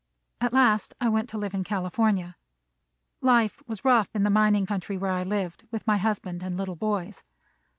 At last I went to live in California. Life was rough in the mining country where I lived, with my husband and little boys.